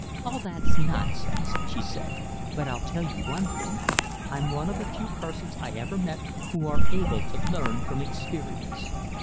"All that's nonsense," she said, "but I'll tell you one thing: I'm one of the few persons I ever met who are able to learn from experience."